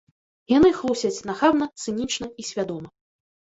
Яны хлусяць нахабна, цынічна і свядома.